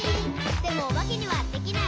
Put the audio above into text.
「でもおばけにはできない。」